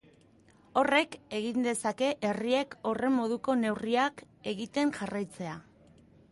Horrek, egin dezake herriek horren moduko neurriak egiten jarraitzea.